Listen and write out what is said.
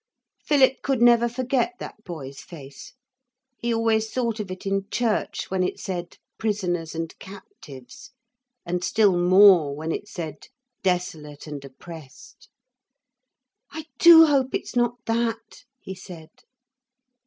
Philip could never forget that boy's face; he always thought of it in church when it said 'prisoners and captives,' and still more when it said 'desolate and oppressed.' 'I do hope it's not that,' he said.